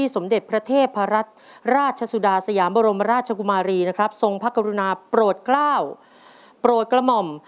สมเด็จพระเทพราชราชสุดาสยามบรมราชกุมารีทรงพระกรุณาโปรดกระหม่อม